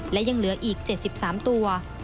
และยังเหลืออีก๗๓ตัว